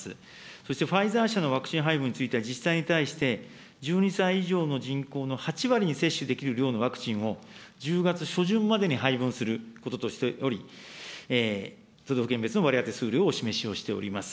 そしてファイザー社のワクチン配分については、自治体に対して、１２歳以上の人口の８割に接種できる量のワクチンを、１０月初旬までに配分することとしており、都道府県別の割り当て数量をお示しをしております。